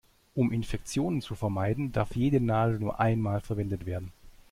Um Infektionen zu vermeiden, darf jede Nadel nur einmal verwendet werden.